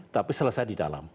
tapi selesai di dalam